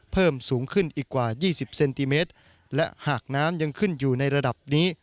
เพิ่มสูงขึ้นอีกกว่ายี่สิบเซนติเมตรและหากน้ำยังขึ้นอยู่ในระดับนี้